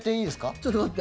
ちょっと待って。